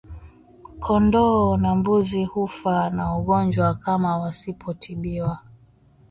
Kondoo na mbuzi hufa na ugonjwa kama wasipotibiwa